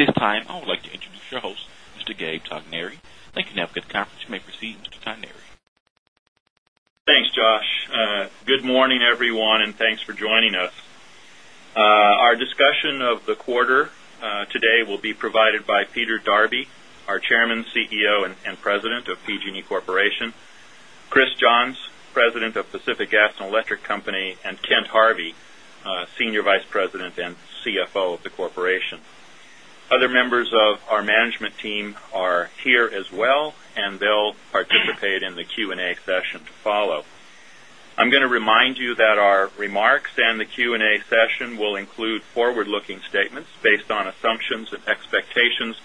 Morning, and welcome to the PT and E Corporation 4th Quarter Earnings Conference Call. At this time, I would like to introduce your host, Mr. Gabe Togneri. Thank you now. Conference. You may proceed, Mr. Togneri. Thanks, Josh. Good morning, everyone, and thanks for joining us. Our discussion of the quarter today will be provided by Peter Darby, our Chairman, CEO and President of PG and E Corporation Chris Johns, President of Pacific Gas and Electric Company and Kent Harvey, Senior Vice President and CFO I'm going to remind you that our remarks and the Q and A session will include forward looking statements based on assumptions and expectations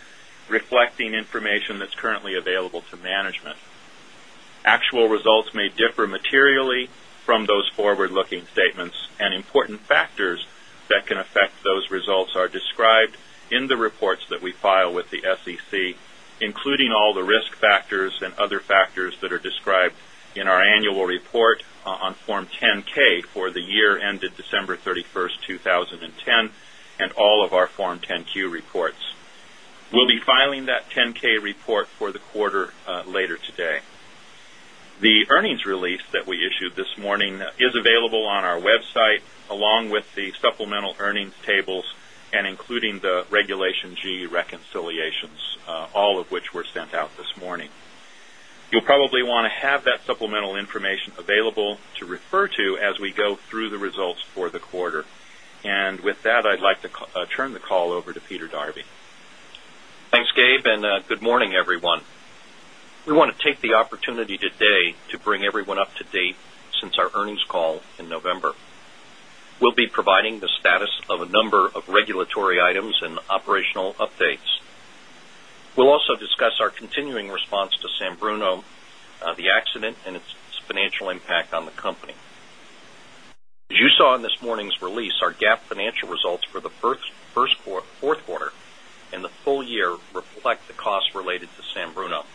reflecting information that's currently available to management. Actual results may differ materially from those forward looking statements and important factors that can affect those results are described in the reports that we file with the SEC, including all the risk factors and other factors that are described in our annual report on Form 10 ks for the year ended December 31, 2010, and all of our Form 10 Q reports. We'll filing that 10 ks report for the quarter later today. The earnings release that we issued this morning is available on our website along with the supplemental earnings tables and including the Regulation all of which were sent out this morning. You'll probably want to have that supplemental information available to refer to as we go through the results for the quarter. And with that, I'd like to turn the call over to Peter Darby. Thanks, Gabe, and good morning, be be providing the status of a number of regulatory items and operational updates. We'll also discuss our continuing response to San Bruno, the accident and its financial impact on the company. As you saw in this morning's release, our GAAP financial for the Q4 and the full year reflect the costs related to San Bruno.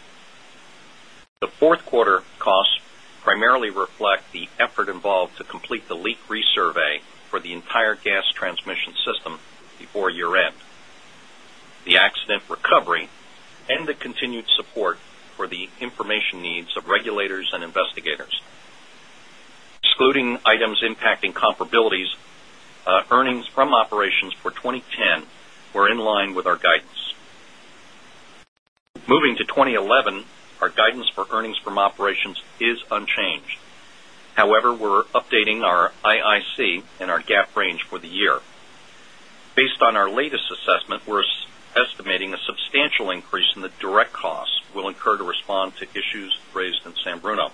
The 4th quarter costs primarily reflect the effort involved to complete the leak resurvey for the entire gas transmission and investigators. Excluding items impacting and investigators. Excluding items impacting comparabilities, earnings from operations for 2010 were in line with our guidance. Moving to 20 11, our guidance for earnings from operations is unchanged. However, we're updating our IIC and our GAAP range for the year. Based on our latest assessment, we're estimating a substantial increase in the direct costs we'll incur to respond to issues raised in San Bruno.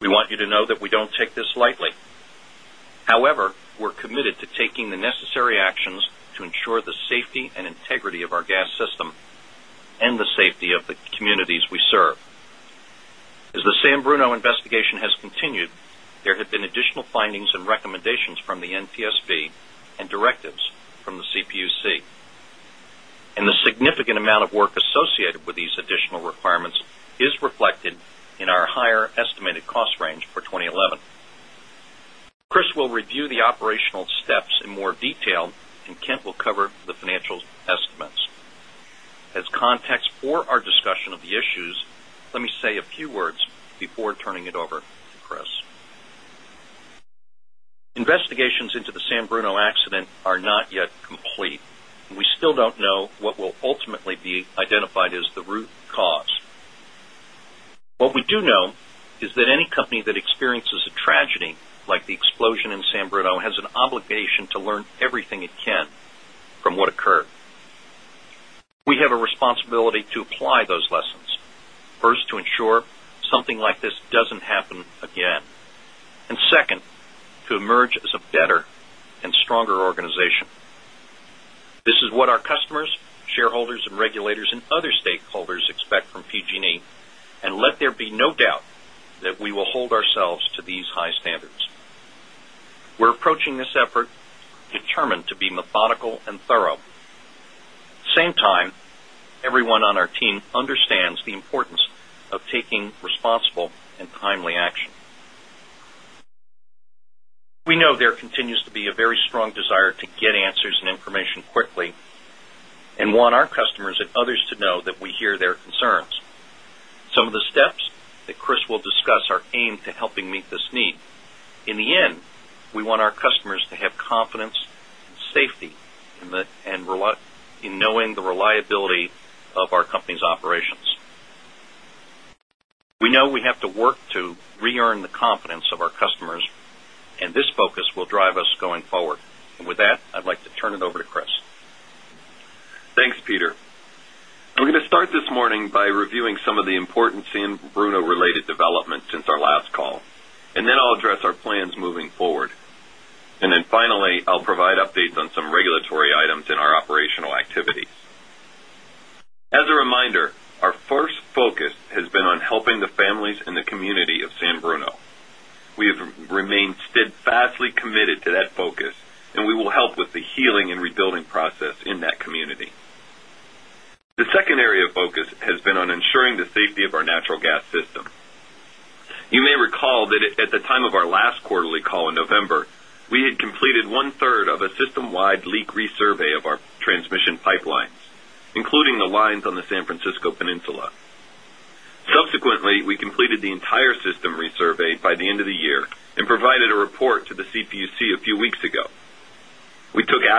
We want you to know that we don't take this lightly. However, we're committed to taking the necessary actions to ensure the safety and integrity of our gas system and the the the NTSB and directives from the CPUC. And the significant amount of work associated with these additional requirements is reflected in our higher estimated cost range for 2011. Chris will review the operational steps in more detail and Kent will cover the financial our are not yet complete and we still don't know what will ultimately be identified as the root cause. What we do know is that any company that experiences a tragedy like the explosion in San Bruno has an obligation to learn everything it can from what occurred. We have a responsibility to apply those lessons. 1st, to ensure something like this is what our customers, shareholders and regulators and other stakeholders expect from PG and E and let there be no doubt that we will hold ourselves to these high standards. We're approaching this effort determined to be methodical and thorough. Same time, everyone on our team understands the importance of taking responsible and timely action. We know there continues to be a very strong desire to get answers and information quickly and want our customers and others to know that we hear their concerns. Some of the steps that Chris will discuss are aimed to helping meet this need. In the end, we want our customers to have confidence and safety in knowing the reliability of our company's operations. We know we have to work to re earn the confidence of our customers and this focus will drive us going forward. And with that, I'd like to turn it over to Chris. Thanks, Peter. We're going to start this morning by reviewing some of the important San Bruno related developments since our last call, and then I'll address our plans moving forward. And then finally, I'll provide updates on some regulatory items in our operational activities. As a reminder, our first focus has been on helping the families and the community of San Bruno. We have remained steadfastly committed to that focus and we will help with the healing and rebuilding process in that community. The second area of focus has been on ensuring the safety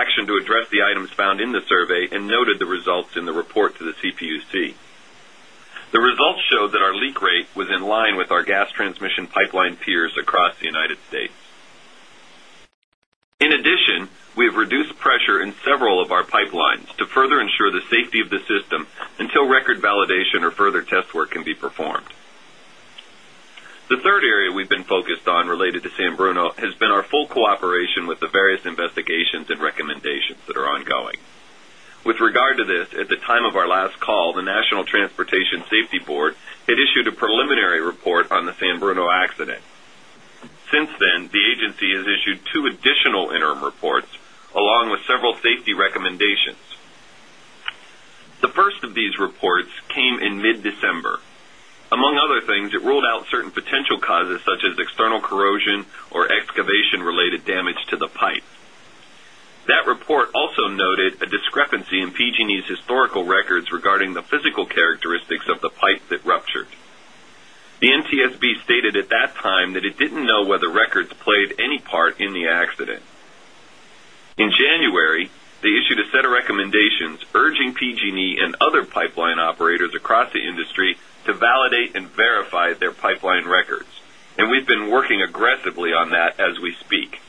action to address the items found in the survey and noted the results in the report to the CPUC. The results showed that our peers across the United States. In addition, we have reduced pressure in several of our pipelines to further ensure the safety of the system until record validation or further test work can be performed. The 3rd area we've been focused on related to San Bruno has been our full cooperation with the various investigations and recommendations that are ongoing. With regard to this, at the time of our last call, the National Transportation Safety Board had issued a preliminary report on the San Bruno accident. Since then, the agency has issued 2 additional interim reports along with several safety recommendations. The first of these reports came in mid December. Among other things, it rolled out certain potential causes such as external the pipe that ruptured. The NTSB stated at that time that it didn't know whether records played any part in the accident. In January, they issued a set of recommendations urging PG and E and other pipeline operators across the industry to validate and verify their pipeline records. And we've been working aggressively on that as we speak.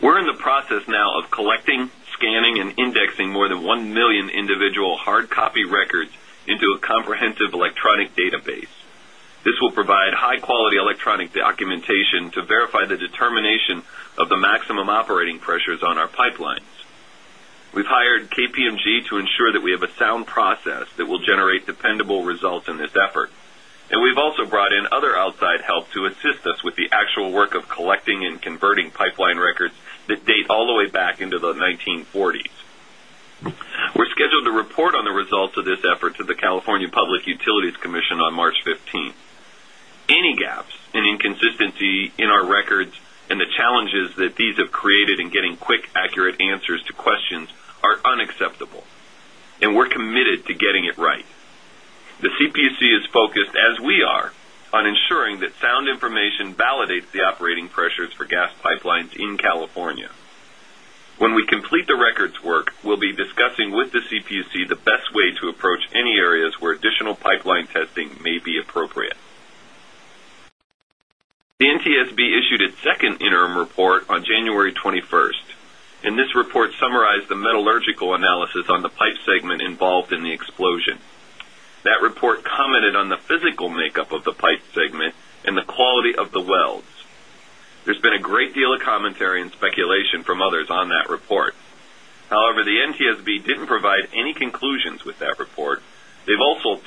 We're in the process now of collecting, scanning and indexing more than 1,000,000 individual hard copy into a comprehensive electronic database. This will provide high quality electronic documentation to verify the determination of the maximum operating pressures on our pipelines. We've hired KPMG to ensure that we have a sound process that will generate dependable results in this effort. And we've also brought in other outside help to assist us with the actual work of collecting and converting pipeline records that date all the way back into the 1940s. We're scheduled to report on the results of this effort to the California Public Utilities Commission on March 15. Any gaps and inconsistency in our records and the challenges that these have created in getting is focused as we are on ensuring that sound information validates the operating pressures for gas pipelines in California. When we complete the records work, we'll be discussing with the CPUC the best way to approach any areas where additional pipeline testing may be appropriate. The NTSB issued its 2nd interim report on January 21 and this report summarized the metallurgical analysis on the pipe segment involved in the explosion. Great deal of commentary and speculation from others on that report. Been a great deal of commentary and speculation from others on that report. However, the NTSB didn't provide any conclusions with that report. They've also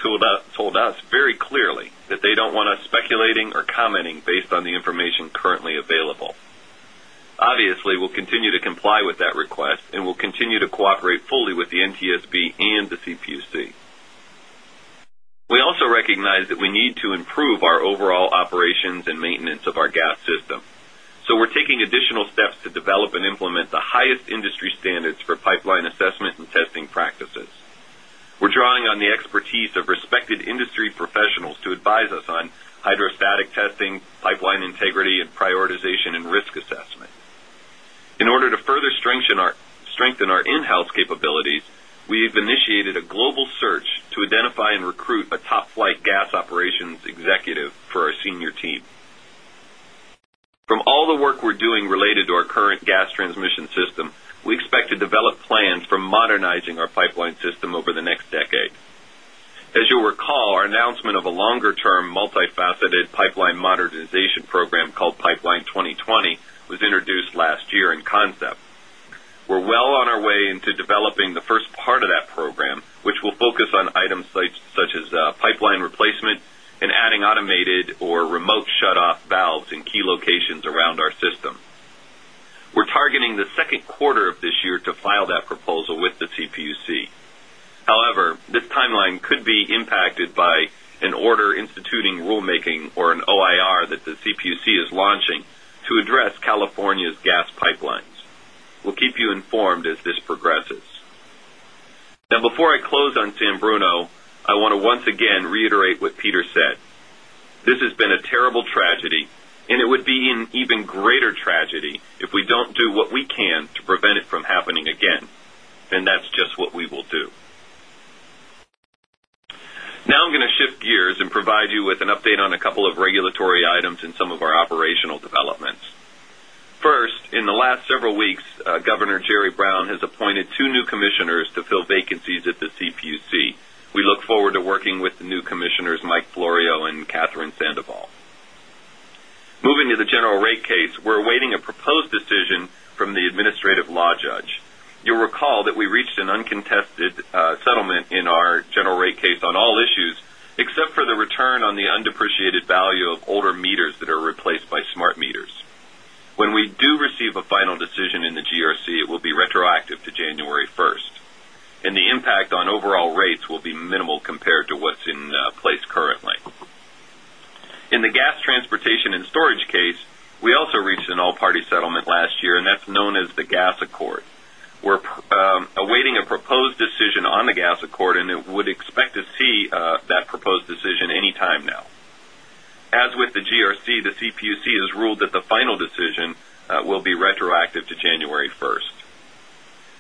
told us very clearly that they don't want us speculating or commenting based on the information currently available. Obviously, we'll continue to comply with that request and we'll continue to cooperate fully with the NTSB and the CPUC. Recognize that we need to improve our overall operations and maintenance of our gas system. So we're taking additional steps to develop and implement the highest industry standards for pipeline assessment and testing practices. We're drawing on the expertise of respected industry professionals to advise us on hydro static testing, pipeline integrity and prioritization and risk assessment. In order to further strengthen our in house capabilities, team. From all the work we're doing related to our current gas transmission system, we expect to develop plans for modernizing our pipeline system over the next decade. As you'll recall, our announcement of a longer term multifaceted pipeline modernization program called Pipeline 2020 was introduced last year in concept. We're well on our way into developing the first part of that program, which will focus on items such as pipeline replacement and adding or remote shutoff valves in key locations around our system. We're targeting the Q2 of this year to file that proposal with the CPUC. However, this timeline could be impacted by an order instituting rulemaking or an OIR that the CPUC is launching to address California's gas pipelines. We'll keep you informed as this progresses. Now before I close on San Bruno, I want to once again reiterate what Peter said. This has been a terrible tragedy and it would be an even greater tragedy if we don't do what we can to prevent it from happening again. And that's just what we will do. Now I'm going to shift gears and provide you with an update on a couple of regulatory items in some of our operational developments. First, in the last several weeks, Jerry Brown has appointed 2 new commissioners to fill vacancies at the CPUC. We look forward to working with the new commissioners, Mike Florio and judge. Impact on overall rates will be minimal compared to what's in place currently. In the gas transportation and storage case, we also reached an all party settlement last year and that's known as the gas accord. We're awaiting a proposed decision on the gas accord and would expect to see that proposed decision anytime now. As with the GRC, the CPUC has ruled that the final decision will be retroactive to January 1.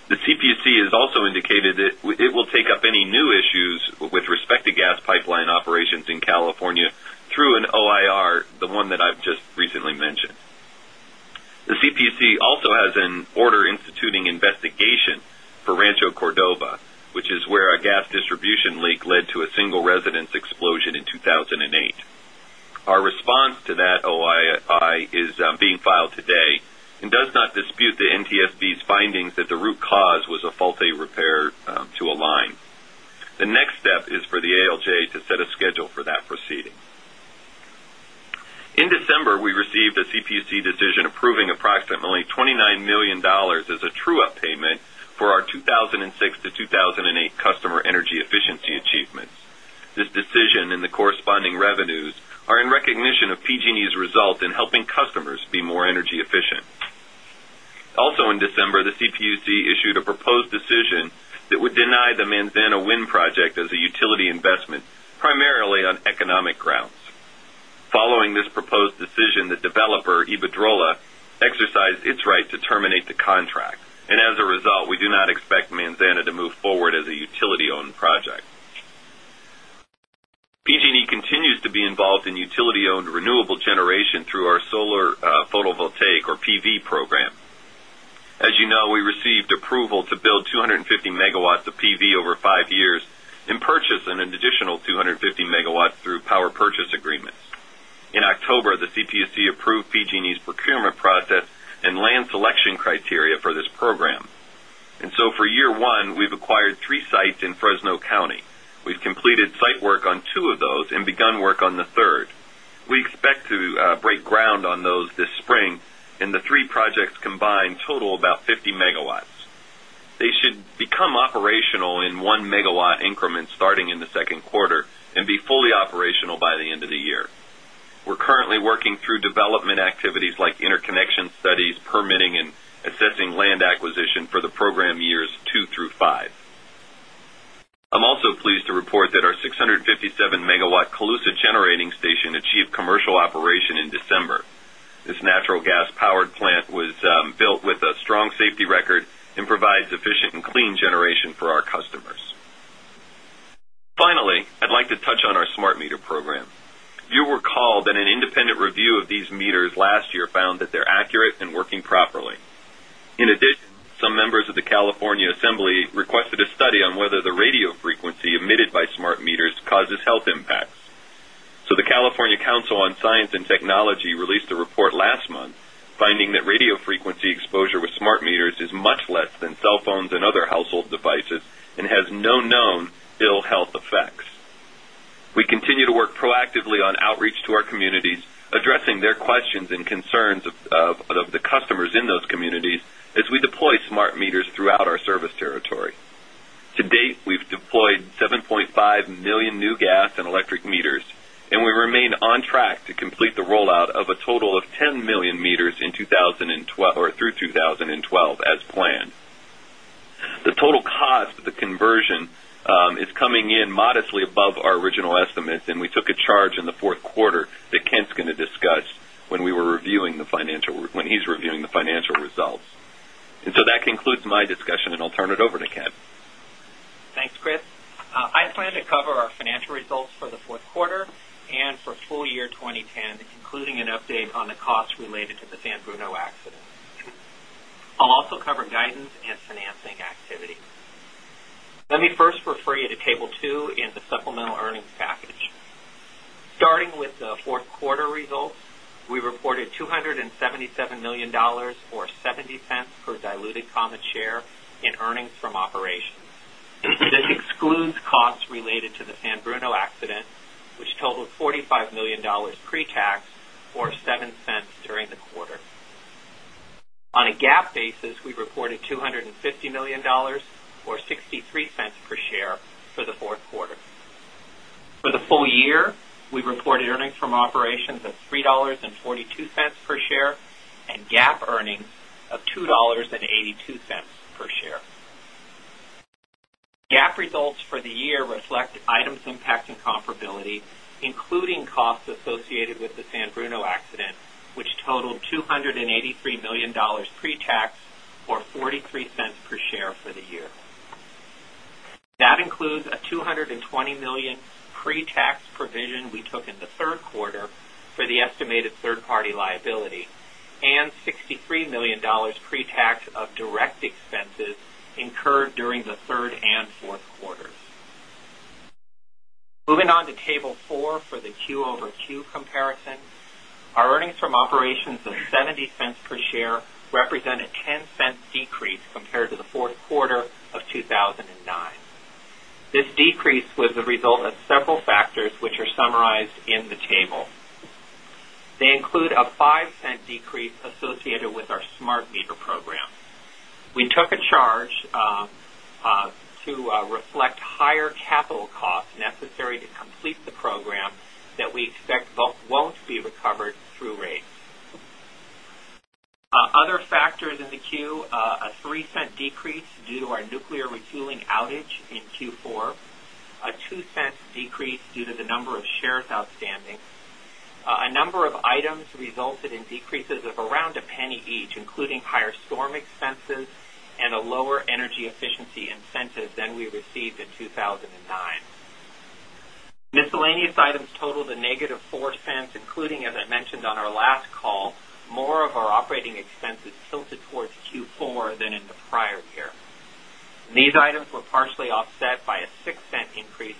The CPUC has also indicated that it will take up any new issues with respect to gas pipeline operations in California through an response to that OII is being filed today in response to that OII is being filed today and does not dispute the NTSB's findings that the root cause was a fault a repair to align. The next step is for the ALJ to set a schedule for that proceeding. In December, we received approving approximately $29,000,000 as a true up payment for our 2006 to 2,008 customer energy efficiency achievements. This decision and the corresponding revenues are in recognition of PG and E's result in helping customers be more energy efficient. Also in December, the CPUC issued a proposed decision that would deny the Manzana wind project as a utility investment primarily on economic grounds. Following this proposed decision, the developer Iberdrola exercised its right to terminate the contract. And as a result, we do not expect Manzanita to move forward as a utility owned project. PG and E continues to be involved in utility owned renewable generation through our solar photovoltaic or PV program. As you know, we received approval to build 2 50 megawatts of PV over 5 years and purchase an additional 2 50 megawatts through power purchase agreements. In October, the CPSC approved PG and E's procurement process and land selection criteria for this program. CPSC approved PG and E's procurement process and land selection criteria for this program. And so for year 1, we've acquired 3 sites in Fresno County. We've completed site work on 2 of those and begun work on the 3rd. We expect to break ground on those this spring and the 3 projects combined be fully operational by the end of the year. We're currently working through development activities like interconnection studies, permitting and assessing land acquisition for the program years 2 through 5. I'm also pleased to report that our 6 57 Megawatt Calusa generating station achieved commercial operation in December. This natural gas powered plant was built with a strong safety record and provides efficient an Assembly requested a study on whether the radio frequency emitted by smart meters causes health impacts. So the California Council on Science and Technology released a report last month finding that radio frequency exposure with smart meters is much less than cell phones and other household devices and has no known ill health effects. We continue to work proactively on outreach to our communities, addressing their questions and concerns of customers in those communities as we deploy smart meters throughout our service territory. To date, we've deployed 7,500,000 new gas and electric meters and we remain on track to complete the rollout of a total of 10,000,000 meters in or through 2012 as planned. The total cost of the conversion is coming in modestly above our original estimates and we took a charge in the Q4 that Kent is going to discuss when we were reviewing the financial when he's reviewing the financial results. And so that concludes my discussion and I'll Q4 and for full year 2010, including an update on the costs related to the San Bruno accident. I'll also cover guidance and financing activity. Let me first refer you to Table 2 and the supplemental earnings package. Starting with 4th quarter results, we reported $277,000,000 or $0.70 per diluted common share in earnings from operations. This excludes costs related to the San Bruno accident, which totaled $45,000,000 pretax or 0 point $7 during the quarter. On a GAAP basis, we reported $250,000,000 or $0.63 per share for the 4th quarter. For the full year, we reported earnings from operations of 3.42 dollars per share. GAAP results for the year reflect items impacting comparability, including costs associated with the San Bruno accident, which totaled $283,000,000 pretax or 0.43 dollars per share for the year. That includes a $220,000,000 pre tax provision we took in the 3rd quarter for the estimated 3rd party liability and $63,000,000 pretax of direct expenses incurred during the 3rd and 4th quarters. Moving on to Table 4 for the Q over Q comparison. Our earnings from operations of $0.70 per share represent the result of several factors which are summarized in the table. They include a $0.05 decrease associated with our smart meter program. Won't due to our nuclear refueling outage in Q4, a $0.02 decrease due to the number of shares outstanding, a number of items resulted in decreases of around $0.01 each, including higher storm expenses and a lower energy efficiency incentive than we received in 2 1,009. Miscellaneous items totaled a negative $0.04 including, as I mentioned on our last call, more of our operating expenses tilted towards Q4 than in the prior year. These items were partially offset by a $0.06 increase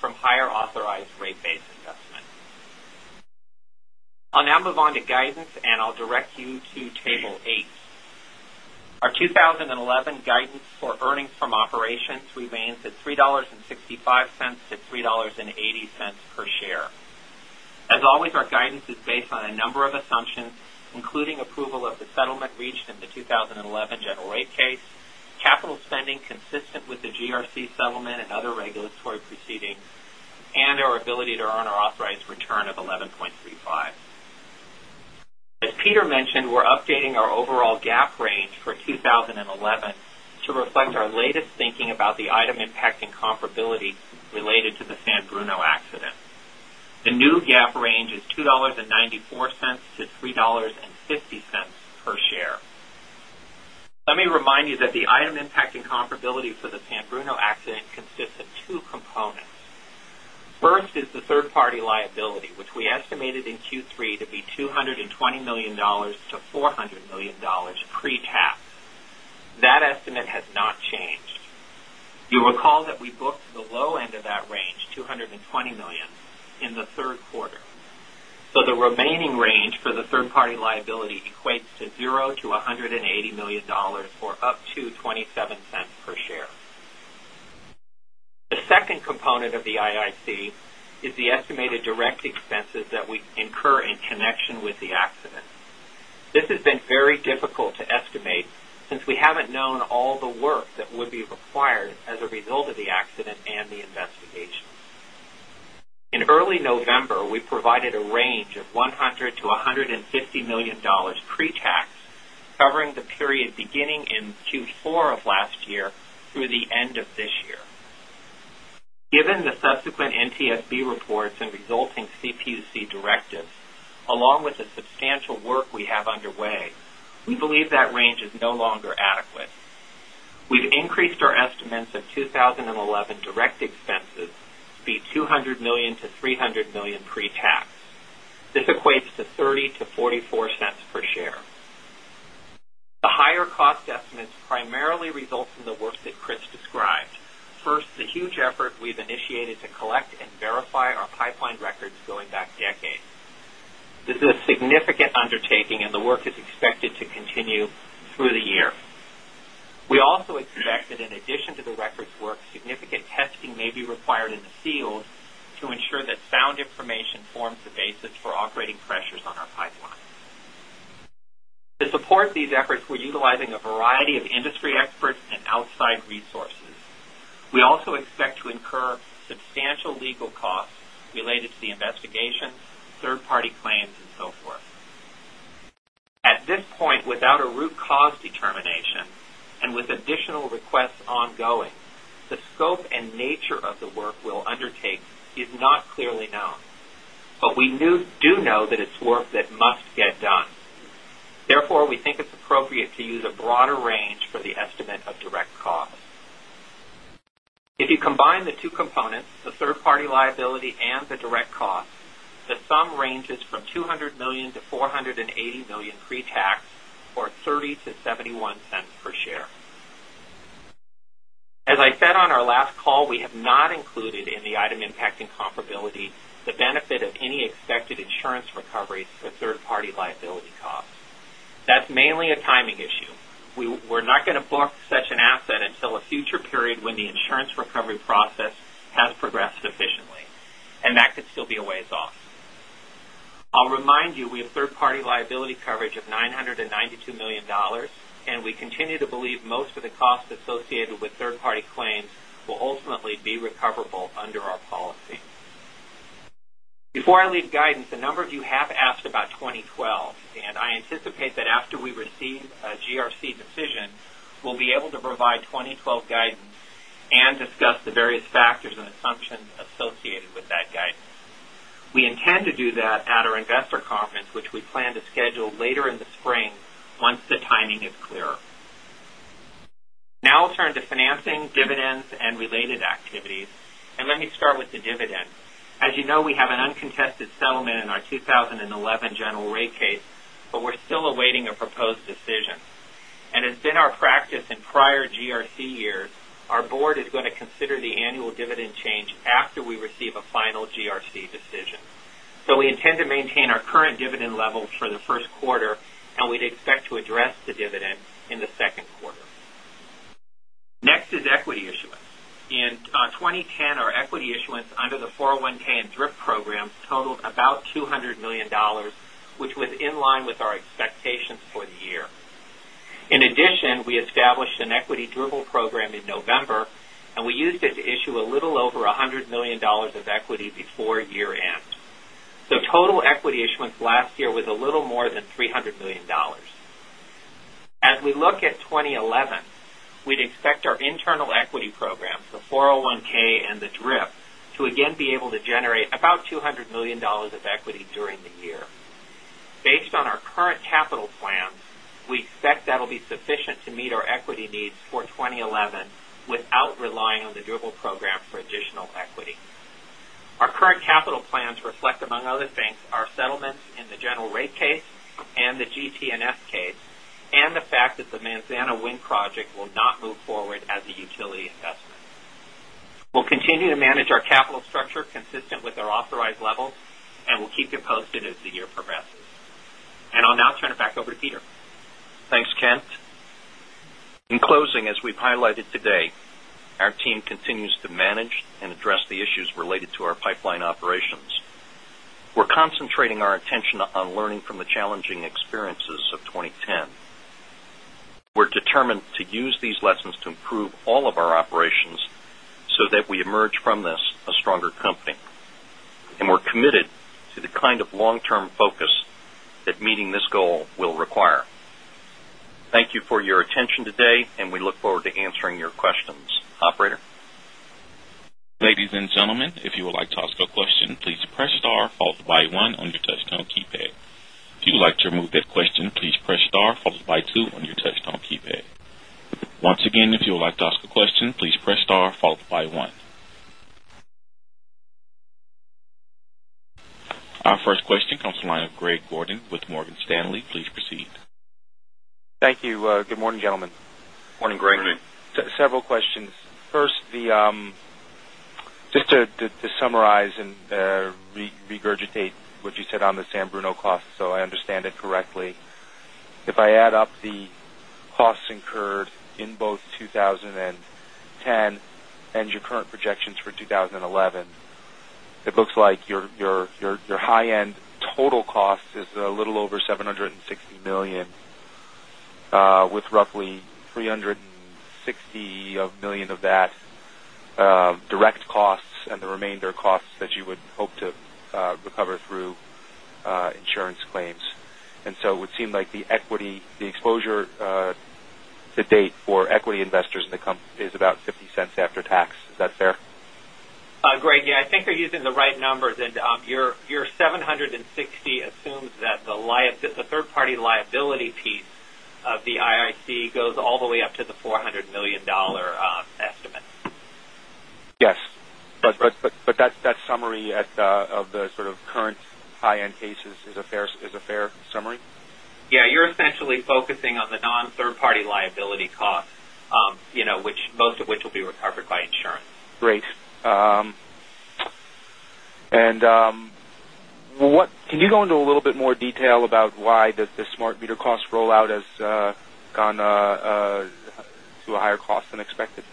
from higher authorized rate base investment. I'll now move on to guidance and I'll direct you to table 8. Our 2011 guidance for earnings from operations remains at $3.65 to 3 point $8.0 per share. As always, our guidance is based on a number of assumptions, including approval of the settlement reached in the 2011 general rate case, capital spending consistent with the GRC settlement and other regulatory proceedings, and range for 20.11 to reflect our latest thinking about the item impacting comparability related to the San Bruno accident. The new GAAP range is $2.94 to 3.50 estimated in Q3 to be $220,000,000 to $400,000,000 pre tax. That estimate has not changed. You'll recall that we booked the low end of that range $220,000,000 in the 3rd quarter. So remaining range for the 3rd party liability equates to $0 to $180,000,000 or up to $0.27 per share. The second component of the IIC is the estimated direct expenses that we incur in connection with the accident. This has been very difficult to estimate since we haven't known all the work that would be required as a result of the accident and the investigation. In early November, we provided a range of $100,000,000 to $150,000,000 pre tax covering the period beginning in Q4 of last year through the end of this year. Given the the that range is no longer adequate. We've increased our estimates of 20.11 direct expenses to be $200,000,000 to $300,000,000 pre tax. This equates to $0.30 to $0.44 per share. The higher cost estimates primarily results in the work that Chris described. First, the huge effort we've initiated to collect and verify our pipeline records going back decades. This is a To support these efforts, we're utilizing a variety of industry experts and outside resources. We also expect to incur substantial legal costs investigation, 3rd party claims and so forth. At this point, without a root cause determination and with additional requests ongoing, the scope and nature of the work we'll undertake is not clearly known. But we do know that it's work that must get done. Therefore, we think it's appropriate to use a broader range for the estimate of direct costs. If you combine the 2 components, the 3rd party liability and the direct costs, the sum ranges from 200,000,000 dollars to $480,000,000 pre tax or $0.30 to $0.71 per share. As I said on our last call, we have not included in the item impacting comparability the benefit of any expected insurance recoveries for 3rd party liability costs. That's mainly a timing issue. We're not going to book such an asset until a future period when the insurance recovery process has progressed efficiently and that could still be a ways off. I'll remind you we have 3rd party liability coverage of $992,000,000 and we leave guidance, a number of you have asked about 2012 and I anticipate that after we receive a GRC decision, we'll be able to provide later in the spring once the timing is clear. Now I'll turn to financing, dividends and related activities. And let me start with the dividend. As you know, we have an uncontested settlement in our 2011 general rate case, but we're still awaiting a proposed decision. And it's been our practice in prior GRC years, our Board is going to consider the annual dividend change after we receive a final GRC decision. So we intend to maintain our current dividend level for the Q1 and we'd expect to address the dividend in the Q2. Next is equity issuance. In 2010, our equity issuance under the 401 and DRIP programs totaled about $200,000,000 which was in line with our expectations for the year. In addition, we established an equity dribble program in November, and we used it to issue a little over a little more than $300,000,000 As we look at 2011, we'd expect our internal equity programs, the 401 and the DRIP to again be able to generate about $200,000,000 of equity during the Based on our current capital plans, we expect that will be sufficient to meet our equity needs for 2011 without relying on the dribble program for additional equity. Our current capital plans reflect among other things our settlements in the general rate case and the GT and S case and the fact that the Manzana Wind project will not move forward as a utility investment. We'll continue to manage our capital structure consistent with our authorized levels and we'll keep you posted as the year progresses. And I'll now turn it back over to Peter. Thanks, Kent. In closing, as we've highlighted today, our team continues to manage and address the issues related to our pipeline operations. We're concentrating our attention on learning from the challenging experiences of 2010. We're determined to use these lessons to improve all of our operations so that we emerge from this a stronger company. And we're committed to the kind of long term focus that meeting this goal will require. Thank you for your attention today and we look forward to answering your questions. Operator? Our first question comes from the line of Greg Gordon with Morgan Stanley. Please proceed. Thank you. Good morning, gentlemen. Good morning, Greg. Several questions. First, just to summarize and regurgitate what you said on the San Bruno costs, so I understand it correctly. If I add up the costs incurred in both 2010 and your current projections for 2011. It looks like your high end total cost is a little over 760 $1,000,000 with roughly $360,000,000 of that direct costs and the remainder costs that you would hope to recover through insurance claims. And so it would seem like the the exposure to date for equity investors in the company is about $0.50 after tax. Is that fair? Greg, yes, I think you're using the right numbers and your $760,000,000 assumes that the 3rd party liability piece of the IIC goes all the way up to the $400,000,000 dollars estimate. Yes. But that summary of the sort of current high end cases is a fair summary? Yes, you're essentially focusing on the non third party liability costs, which most of which will be recovered by insurance. Great. And can you go into a little bit more detail about why does the smart meter cost rollout has gone to a higher cost than expected?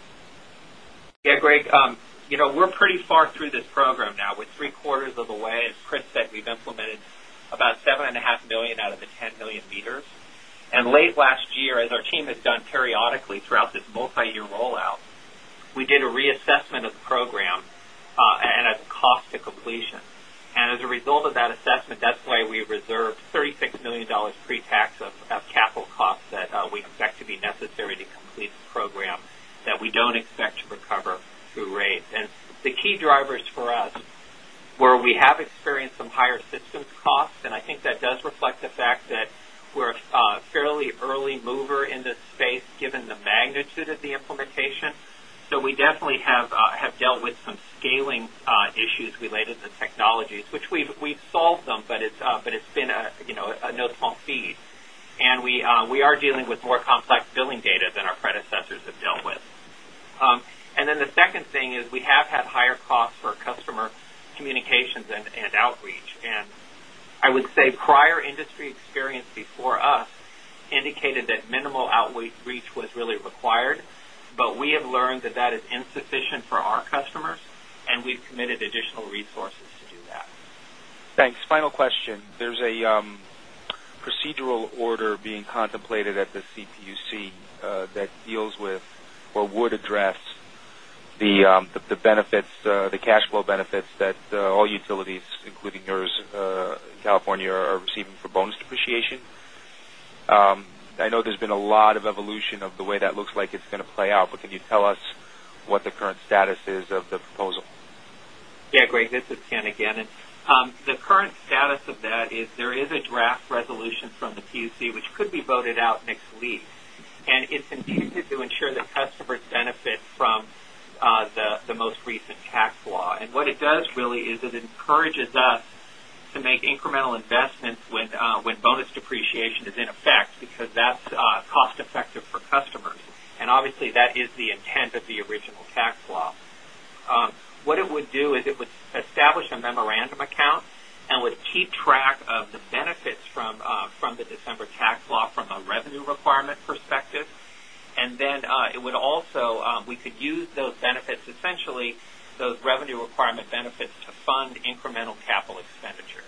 Yes, Greg. We're pretty far through this program now with 3 quarters of the way. As Chris said, we've implemented about 7,500,000 out of the 10,000,000 meters. And late last year, as our team has done periodically throughout this multiyear rollout, we did a re assessment of the program and at cost to completion. And as a result of that assessment, that's why we reserved $36,000,000 pre tax of capital costs that we expect to be necessary to complete the program that we don't expect to recover through rates. And the key drivers for us where we have experienced some higher systems costs and I think that does reflect the fact that we're a fairly early mover in this space given the magnitude of the implementation. So we definitely have dealt with some scaling issues related to technologies, which we solved them, but it's been a no small feat. And we are dealing with more complex billing data than our predecessors have dealt with. And then the second thing is we have had higher costs for customer communications and outreach. And I would say prior industry experience before us indicated that minimal outreach was really required, but we learned that that is insufficient for our customers and we've committed additional resources to do that. Thanks. Final question. There's a procedural order being contemplated at the CPUC that deals with or would address the cash flow benefits that all utilities, including yours in California are receiving for bonus depreciation. I know there's been a lot of evolution of the way that looks like it's going to play out, but can you tell us what the current status is of the proposal? Yes, Greg, The current status of that is there is a draft resolution from the PUC which could be voted out next week. Us to make incremental investments when bonus depreciation is in effect because that's cost effective for customers. And obviously, that is the intent of the original tax law. What it would do is it would establish a memorandum account and would keep track of the benefits from the December tax law from a revenue requirement perspective. And then it would also we could use those benefits essentially those revenue requirement benefits to fund incremental capital expenditures.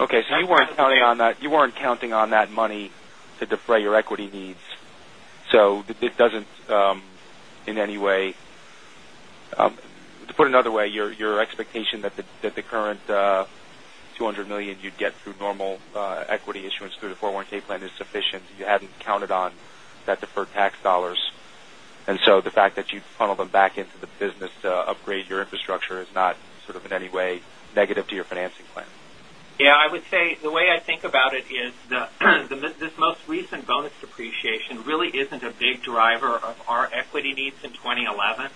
Okay. So you weren't counting on that money to defray your equity needs. So it doesn't in any way to put another way, your expectation that the current 200,000,000 you'd get through normal equity issuance through the 401 plan is sufficient. You hadn't counted on that deferred tax dollars. And so the fact that you funnel them back into the business to upgrade your infrastructure is not sort of in any way negative to your financing plan? Yes, I would say the way I think about it is this most recent bonus depreciation really isn't a big driver of our equity needs in 2011.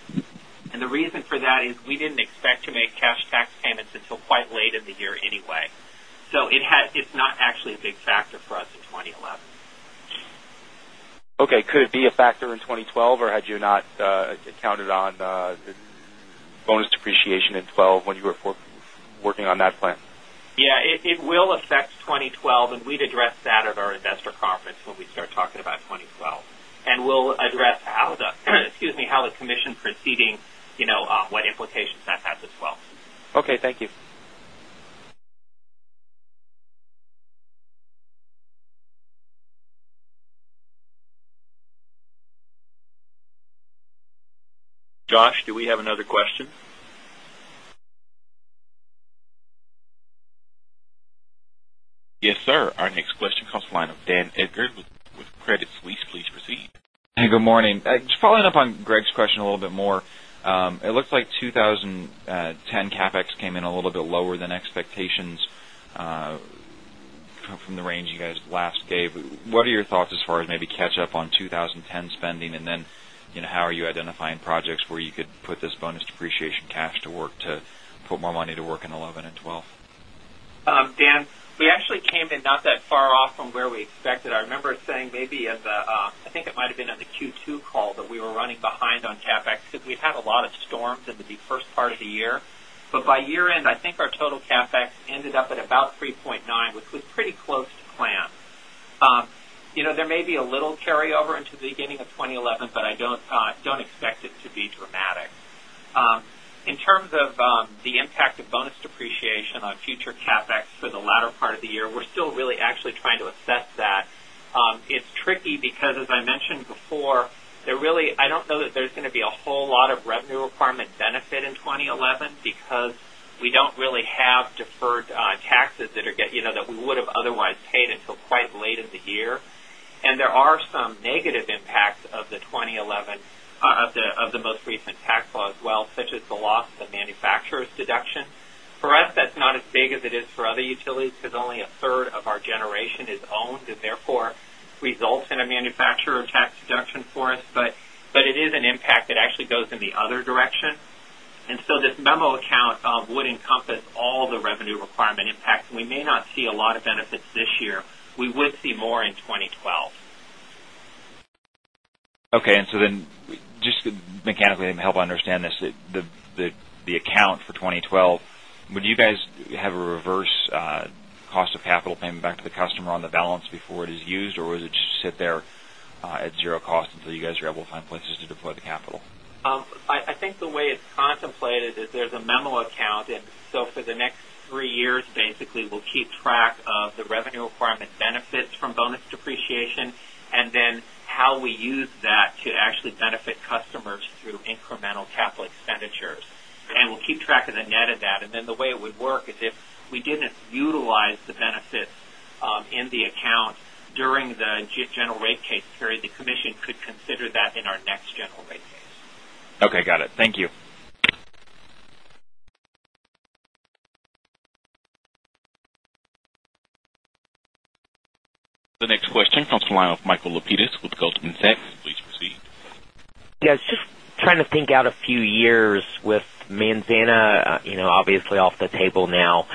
And the reason for that is we didn't expect to make cash tax payments until quite late in the year anyway. So it's not actually a big factor for us in 2011. Okay. Could it a factor in 2012 or had you not counted on bonus depreciation in 2012 when you were working on that plan? Yes, it will affect 2012 and we'd address that at our investor conference when we start talking about 2012. And we'll address how the commission Josh, do we have another question? Yes, sir. Our next question comes line of Dan Edgert with Credit Suisse. Please proceed. Hi, good morning. Just following up on Greg's question a little bit more. It looks like 20 10 CapEx came in a little bit lower than expectations from the range you guys last gave. What are your thoughts as far as maybe catch up on 20 10 spending? And then how are you identifying projects where you could put this bonus depreciation cash to work to put more money to work in 2011 and 2012? Dan, we actually came in not that far off from where we expected. I remember saying maybe as I think it might have been on the Q2 call that we were running behind on CapEx because we had a lot of storms in the 1st part of the year. But by year end, I think our total CapEx ended up at about 3.9%, which was pretty close to plan. There may be a little carryover in the beginning of 2011, but I don't expect it to be dramatic. In terms of the impact of bonus depreciation on future CapEx for the latter part of the year, we're still really actually trying to assess that. It's tricky because as I mentioned before, there really I don't know that there's going to be a whole lot of revenue requirement benefit in 2011 because we don't really have deferred taxes that are getting that we would have otherwise paid until quite late in the year. And there are some negative impacts of the 20 11 of the most recent tax law as well, such as the loss of manufacturers' deduction. For us, that's not as big as it is for other utilities because only a third of our generation is owned and therefore results in a memo account would encompass all the revenue requirement impacts. We may memo account would encompass all the revenue requirement impact. We may not see a lot of benefits this year. We would see more in 2012. Okay. And so then just mechanically help I understand this, the account for 2012, would you guys have a reverse cost of capital payment back to the customer on the balance before it is used? Or is it just sit there at 0 cost until you guys are able to find places to deploy the capital? I think the way it's contemplated is there's a memo account. And so for the next 3 years basically, we'll keep track of the revenue requirement benefits from bonus depreciation and then how we use that to actually benefit customers through incremental capital expenditures. And we'll keep track of the net of that. And then the way it would work is if we didn't utilize the benefits in the account during the general rate case period, the commission The next question comes from the line of Michael Lapides with Goldman Sachs. Please proceed. Yes. Just trying to think out a few years with Manzana obviously off the table now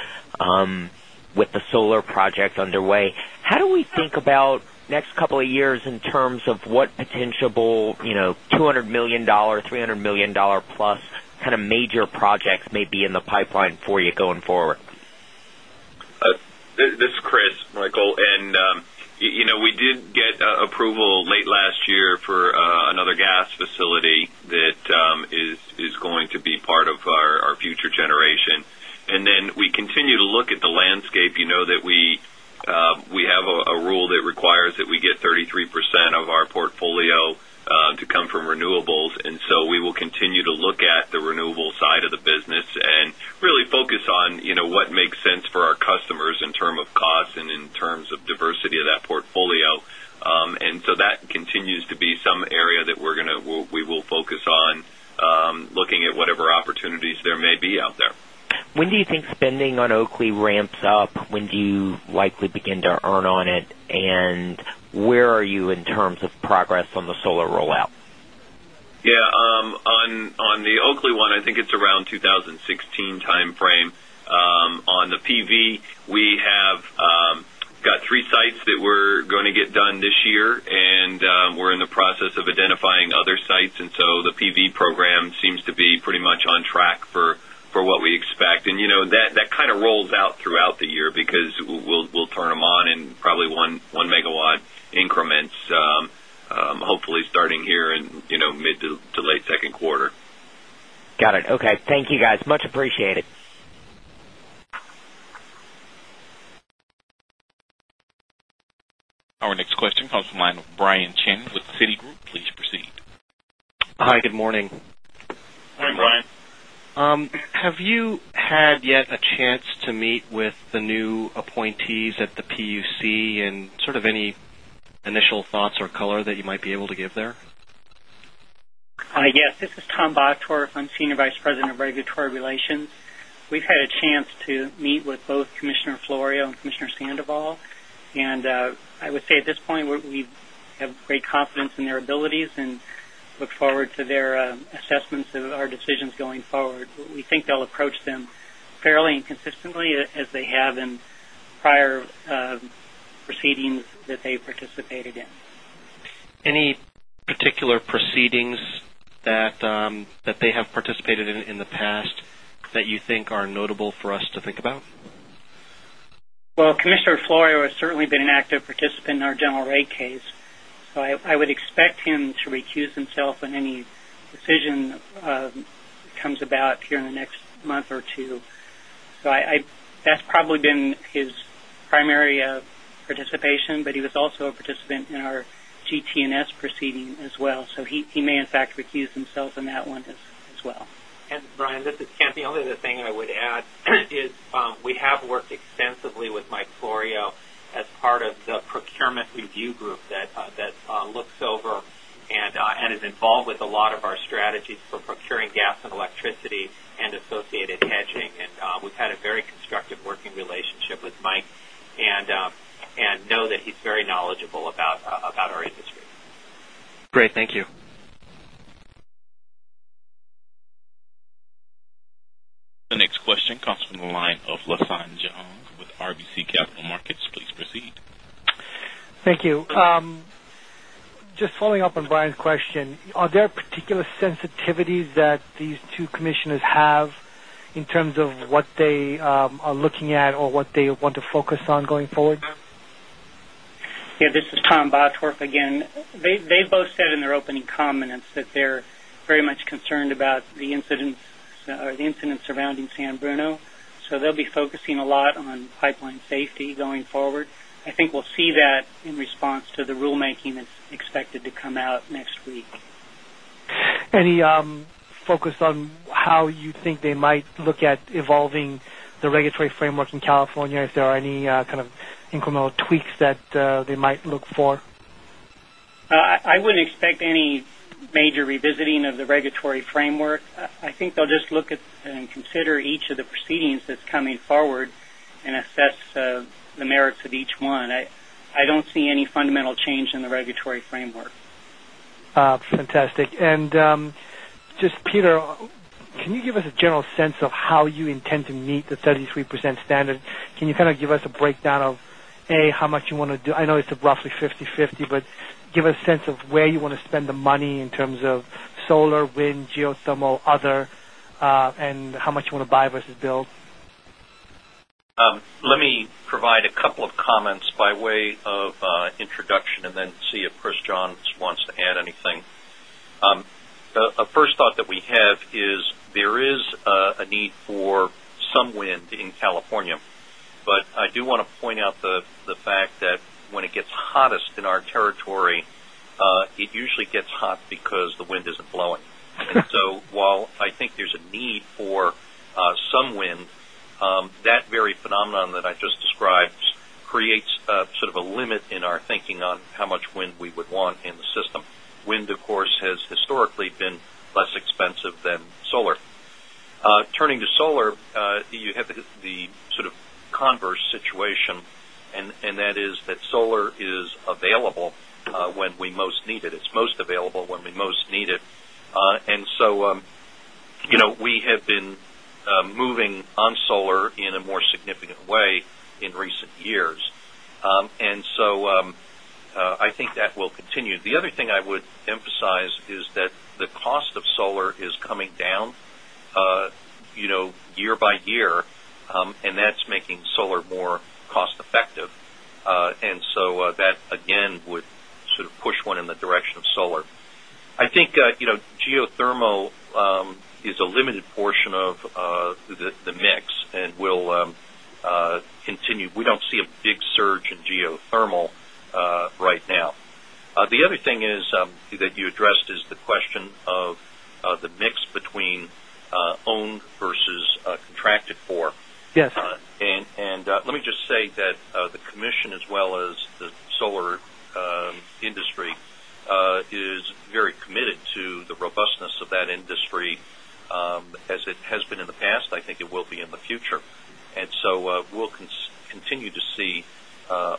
with the solar project underway. How do we think about next couple of years in terms of what potential 200,000,000 dollars $300,000,000 plus kind of major projects may be in the pipeline for you going forward? That is going to be part of our future generation. And then we continue to look at the landscape that we have a rule that requires that we get 33% of our portfolio to come from renewables. And so we will continue to look at the renewable side of the business and really focus on what makes sense for our customers in terms of costs and in terms of diversity of that portfolio. And so that continues to be some area that we're going to we will focus on looking at whatever opportunities there may be out there. When do you think spending on Oakley ramps up? When do you likely begin to earn on it? And where are you in terms of progress on the solar rollout? Yes. On the Oakley one, I think it's around 2016 timeframe. On the PV, we have got 3 sites that we're going to get done this year and we're in the process of identifying other sites. And so the PV program seems to be pretty much on track for what we expect. And that kind of rolls out throughout the year because we'll turn them on in probably one megawatt increments, hopefully starting here in mid to late second quarter. Got Our next question comes from the line of Brian Chin with Citigroup. Please proceed. Hi, good morning. Good morning, Brian. Have you had yet a chance to meet with the new appointees at the PUC and sort of any initial thoughts or color that you might be able to give there? Yes, this is Tom Batory. I'm Senior Vice President of Regulatory Relations. We've had a chance to meet with both Commissioner Florio and Commissioner Sandoval. And I would say at this point, we have great confidence in their abilities and look forward to their assessments of our decisions going forward. We think they'll approach them and consistently as they have in prior proceedings that they participated in. Any particular proceedings that they have participated in the past that you think are notable for us to think about? Well, Commissioner Florio has certainly been an active participant in our general rate case. So I would expect him to recuse himself in any decision comes about here in the next month or 2. So I that's probably been his primary participation, but he was also a participant in our GT and S proceeding as well. So he may in fact recuse himself in that one as well. And Brian, this is The only other thing I would add is we have worked extensively with Mike Florio as part of the procurement review group that looks over and is involved with a lot of our strategies for procuring gas and electricity and associated hedging. And we've had a very constructive working relationship with Mike and know that he's very knowledgeable about our industry. The next question comes from the line of LaSalle Jones with RBC Capital Markets. Please proceed. Thank you. Just following up on Brian's question, are there particular sensitivities that these Tom Bottorff again. They both Tom Batorf again. They both said in their opening comments that they're very much concerned about the incident or the incidents surrounding San Bruno. So they'll be focusing a lot on pipeline safety going forward. I think we'll see that in response to the rulemaking that's expected to come out next week. Any focus on how you think they might look at evolving the regulatory framework in California, if there are any kind of incremental tweaks that they might look for? I wouldn't expect any major revisiting of the regulatory framework. I think they'll just look at and consider each of the proceedings that's coming forward and assess the merits of each one. I don't see any fundamental change in the regulatory framework. Fantastic. And just Peter, can you give us a general sense of how you intend to meet the 33% standard? Can you kind of give us a breakdown of, A, how much you want to do? I know it's roughly fifty-fifty, but give us a sense of where you want to spend the money in terms of solar, wind, geothermal, other and how much you want to buy versus build? Let me provide a couple of comments by way of introduction and then see if Chris John wants to add anything. A first thought that we have is there is a need for some wind in California, but I do want to point out the fact that when it gets hottest in our territory, it usually gets hot because the wind isn't blowing. So while I think there's a need for some wind, that very phenomenon that I just described creates sort of a limit in our thinking on how much wind we would want in the system. Wind of course has historically been less expensive than solar. Turning to solar, you have the sort of converse situation and that is that solar is available when we most need it. It's most available when we most need it. And so we have been moving on solar in a more significant way in recent years. And so I think that will continue. The other thing I would effective. And so that again would sort of push 1 in the direction of solar. I think geothermal is a limited portion of the mix and will continue. We don't see a big surge in geothermal right now. The other thing is that you addressed is the question of the mix between owned versus contracted for. And let me just say that the commission as well as the solar industry is very committed to the robustness of that industry as it has been in the past. I think it will be in the future. And so, we'll continue to see a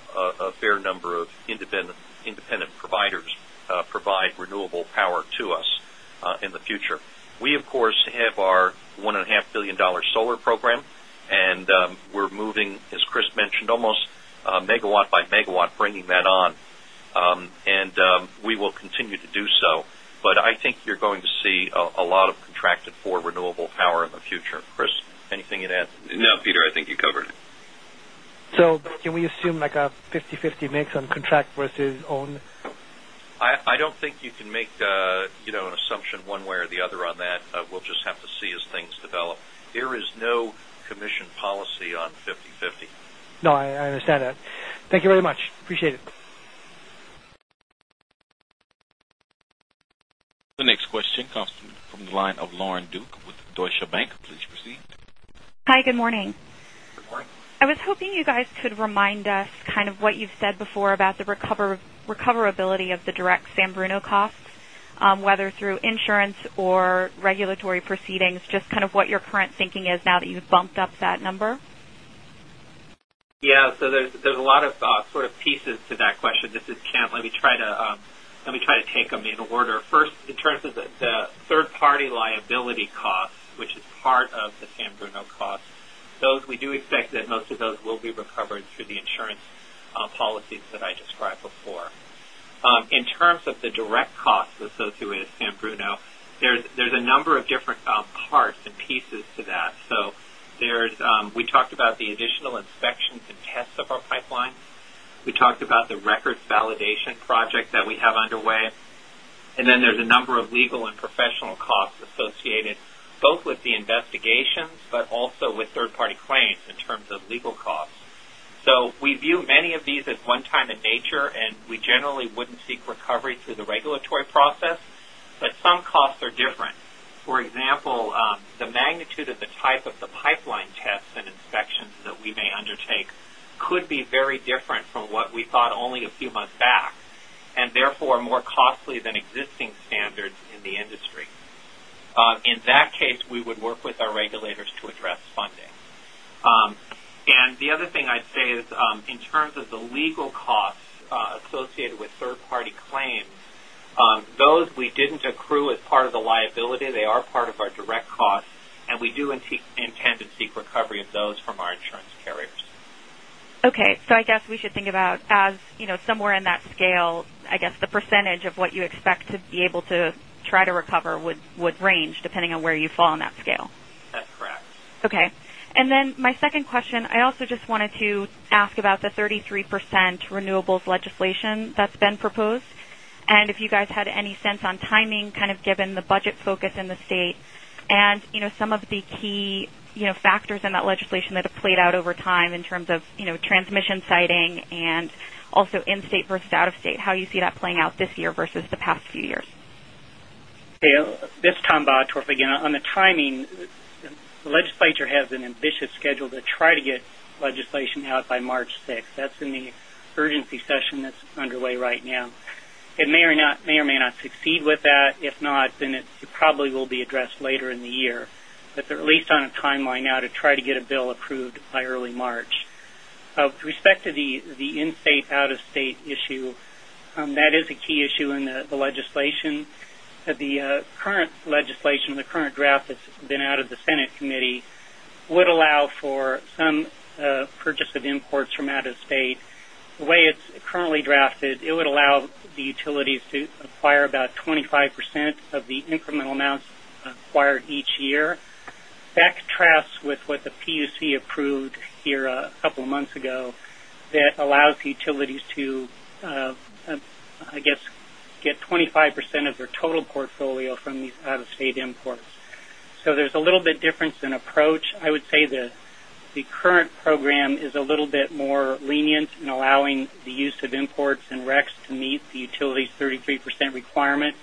in the future. We, of course, have our $1,500,000,000 solar program and we're moving, as Chris mentioned, almost megawatt by megawatt bringing that on and we will continue to do so. But I think you're going to see a lot of contracted for renewable power in the future. Chris, anything you'd add? No, Peter, I think you covered it. So can we assume like a fifty-fifty mix on contract versus owned? I don't think you can make an assumption one way or the other on that. We'll just have to see as things develop. There is no commission policy on fifty-fifty. No, I understand that. Thank you very much. Appreciate it. The next question comes from the line of Lauren Duke with Deutsche Bank. Please proceed. Hi, good morning. Good morning. I was hoping you guys could remind us what you've said before about the recoverability of the direct San Bruno costs, whether through insurance or regulatory proceedings, just kind of what your current thinking is now that you've bumped up that number? Yes. So there's a lot of sort of pieces to that question. This is Kent. Let me try to take them in order. 1st, in terms of the 3rd party liability costs, which is part of the same Bruno cost, those we do that most of those will be recovered through the insurance policies that I described before. In terms of the direct costs associated with San Bruno, there's a number of different parts and pieces to that. So there's we talked about the the additional inspections and tests of our pipeline. We talked about the records validation project that we have underway. And then there is a number of legal and professional costs associated both with the investigations, but also with third party claims in terms of legal costs. So we view many of these as one time in nature and we generally wouldn't seek recovery through the regulatory process, but some costs are different. For example, magnitude of the type of the pipeline tests and inspections that we may undertake could be very different from what we thought only a few months back and therefore more costly than existing standards in the industry. In that case, we would work with our regulators to address funding. And the other thing I'd say is, in terms of the legal costs associated with 3rd party claims, those we didn't accrue as part of the liability. They are part of our direct costs and we do intend to seek recovery of those from our insurance carriers. Okay. So I guess we should think about as somewhere in that scale, I guess the percentage of what you try to recover would range depending on where you fall on that scale? That's correct. Okay. And then my second question, I also just wanted to ask about the 33% renewables legislation that's been proposed. And if you guys had any sense on timing kind of given the budget focus in the state and some of the key factors in that legislation that have played out over time in terms of transmission siting and also in state versus out of state? How do you see that playing out this year versus the past few years? This is Tom Biotrff again. On the timing, the legislature has an ambitious schedule to try to get legislation out by March 6. That's in the urgency session that's underway right now. It may or may not succeed with that. If not, then it probably will be addressed later in the year. But they're at least on a timeline now to try to the legislation. The current legislation, the current draft that's been out of the Senate Committee would allow for some purchase of imports from out of state. The way it's currently drafted, it would allow the utilities to acquire about 25% of the incremental amounts acquired each year. That contrasts with what the PUC approved here a couple of months ago that allows utilities to, I guess, get 25% of their total portfolio from these out of state imports. So there's a little bit difference in approach. I would say that the current program is a little bit more lenient in allowing the use of imports and RECs to meet the utility's 33% requirement.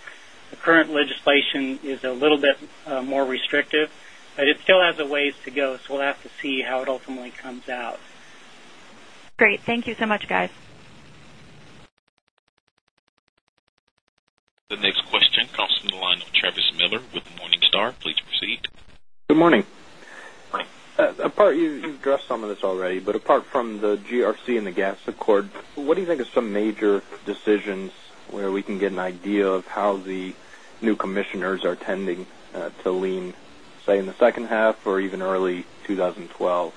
The current legislation is a little bit more restrictive, but it still has a ways to go. So we'll have to see how it ultimately comes out. Great. Thank you so much, guys. The next question comes from the line of Travis Miller with Morningstar. Please proceed. Good morning. Apart you've addressed some the new commissioners are tending to lean, say in the second half or even early 2012?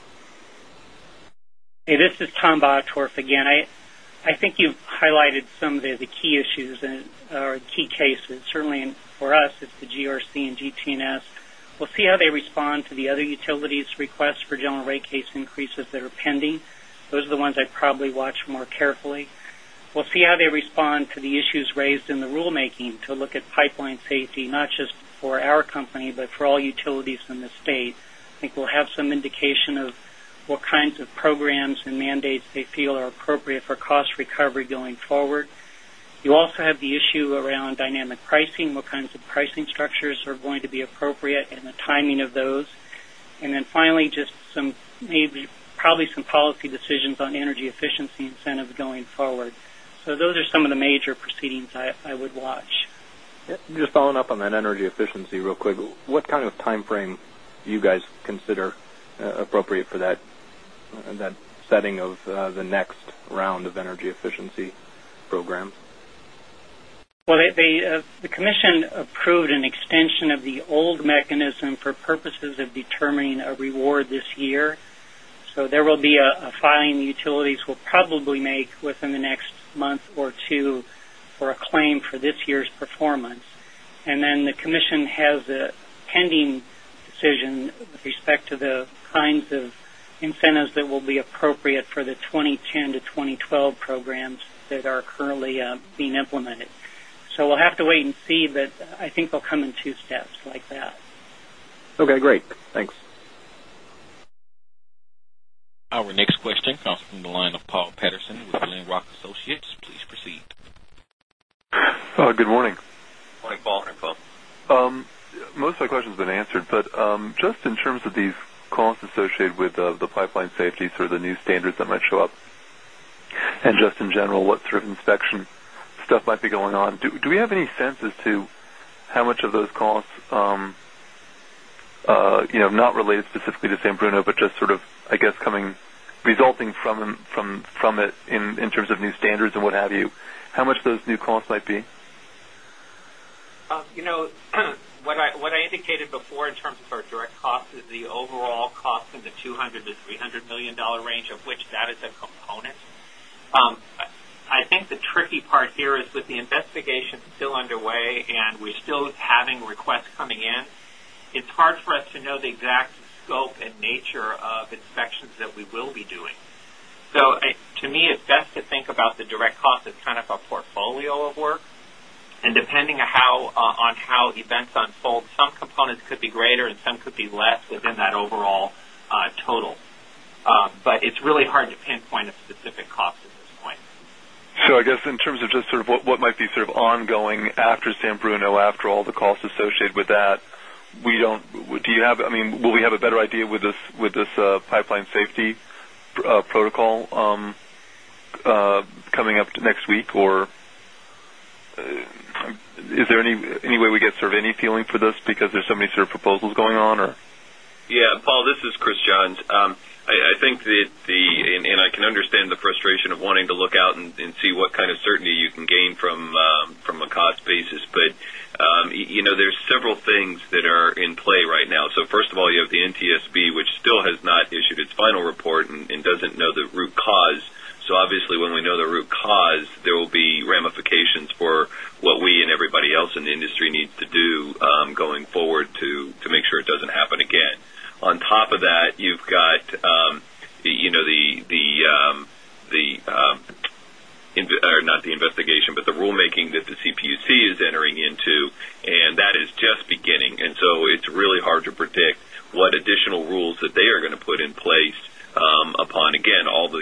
This is Tom Bautorf again. I think you've highlighted some of the key issues or key cases, certainly for us it's the GRC and GT and S. We'll see how they respond to the other utilities requests for general rate case increases that are pending. Those are the ones I'd probably watch more carefully. We'll see how they respond to the issues raised the rule making to look at pipeline safety, not just for our company, but for all utilities in the state. I think we'll have some indication of what kinds of programs and mandates they feel are appropriate for cost recovery going forward. You also have the issue around dynamic pricing, what kinds of pricing structures are going to be appropriate and the timing of those? And then finally, just some maybe probably some policy decisions on energy efficiency incentives going forward. So those are some of the major proceedings I would watch. Just following up on that energy efficiency real quick, what kind of timeframe do you guys consider appropriate for that setting of the next round of energy efficiency programs? Well, the commission approved an extension of the old mechanism for purposes of determining a reward this year. So there will be a filing utilities will probably make within the next month or 2 for a claim for this year's performance. And then the commission has a pending decision with respect to the kinds of incentives that will be appropriate for the 2010 to 2012 programs that are currently being implemented. So we'll have to wait and see, but I think they'll come in 2 steps like that. Our next question comes from the line of Paul Patterson with Glenrock Associates. Please proceed. Good morning. Good morning, Paul. Most of my questions have been answered, but just in terms of these costs associated with the pipeline safety through the new standards that might show up and just in general what sort of inspection stuff might be going on. Do we have any sense as to how much of those costs not related costs might be? You know, much those new costs might be? What I indicated before in terms of our direct costs is the overall cost in the $200,000,000 to $300,000,000 range of which that is a component. I think the tricky part here is with the investigation still underway and we're still having requests coming in, it's hard for us to know the exact scope and nature of inspections that we will be doing. So to me, it's best to think about the direct cost as kind of a portfolio of work. And depending on how events unfold, some components could be greater and some could be less within that overall total. But it's really hard to pinpoint a specific cost at this point. So I guess in terms of just sort of what might be sort of ongoing after San Bruno after all the costs associated with that. We don't do you have I mean, will we have a better idea with this pipeline safety protocol coming up next week or is there any way we get sort of any feeling for this because there's so sort of proposals going on or? Yes, Paul, this is Chris Johns. I think that the and I can understand the frustration of the NTSB, which still has not issued its final report and doesn't know the root cause. So obviously, when we know the root cause, there will be ramifications for what we you've got the not the investigation, but the rulemaking that the CPUC is entering into and that is just beginning. And so it's really hard to predict what additional rules that they are going to put in place, upon again all the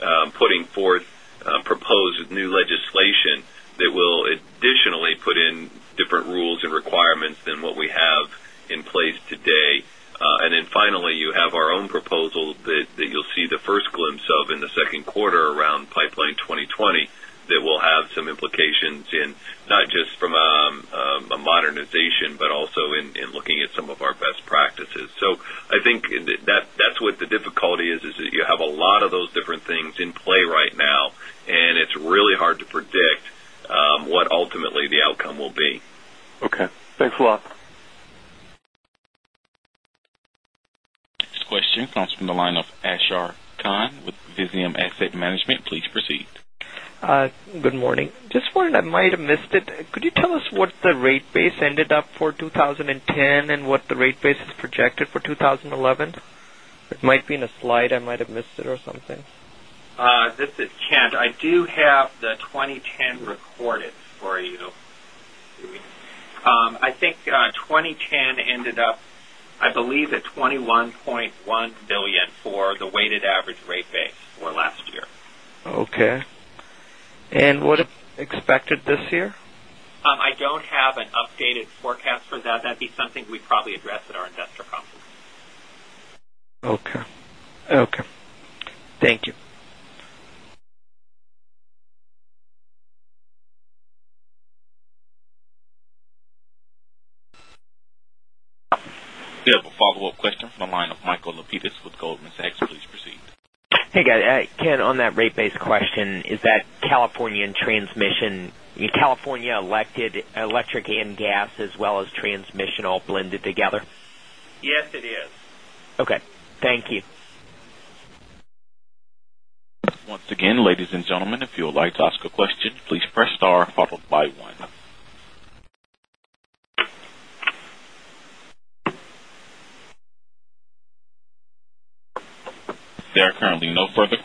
makers putting forth proposed new legislation that will additionally put in different rules and requirements than what we have in place today. And then finally, you have our own proposal that you'll see the first glimpse of in the second quarter around pipeline 2020 that will have some implications in not just from a modernization, but also in looking at some of our best practices. So I think that's what the difficulty is, is that you have a lot of those different things in play right now. And really hard to predict what ultimately the outcome will be. Okay. Thanks a lot. Next question comes from the line of Ashar Khan with Visium Asset Management. Please proceed. Good morning. Just wondering, I might have missed it. Could you tell us what the rate base ended up for 2010 and what the rate base is projected for 2011? It might be in a slide, I might have missed it or something. This is Kent. I do have the 2010 recorded for you. Think 2010 ended up, I believe, at $21,100,000,000 for the weighted average rate base for last year. Okay. And what is expected this year? I don't have an updated forecast for that. That'd be something we probably address at our investor conference. Okay. Okay. Thank you. Question from the line of Michael Lapides with Goldman Sachs. Please proceed. Hey, guys. Ken, on that rate based question, is that California and transmission, California elected electric and gas as well as transmission all blended together? Yes, it is. Okay. Thank you. There are currently no further